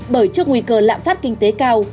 bởi trước nguy cơ lạm phát kinh tế cao